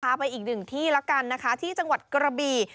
ไปอีกหนึ่งที่แล้วกันนะคะที่จังหวัดกระบี่